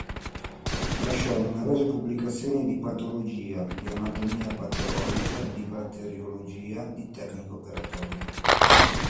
Lasciò numerose pubblicazioni di patologia, di anatomia patologica, di batteriologia, di tecnica operatoria.